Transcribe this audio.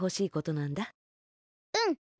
うん。